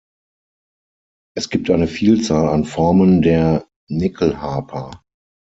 Es gibt eine Vielzahl an Formen der Nyckelharpa.